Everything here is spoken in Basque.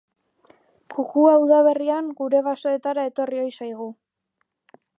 Kukua udaberrian gure basoetara etorri ohi zaigu.